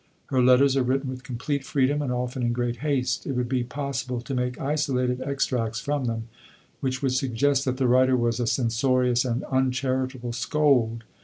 Her letters are written with complete freedom and often in great haste. It would be possible to make isolated extracts from them which would suggest that the writer was a censorious and uncharitable scold.